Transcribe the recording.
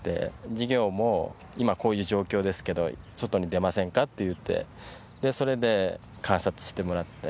授業も今こういう状況ですけど外に出ませんかって言ってそれで観察してもらって。